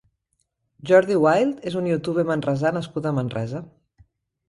Jordi Wild és un youtuber manresà nascut a Manresa.